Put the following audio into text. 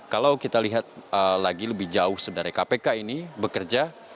kalau kita lihat lagi lebih jauh sebenarnya kpk ini bekerja